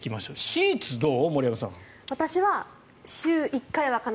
シーツ、どう？